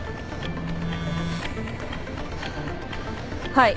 はい。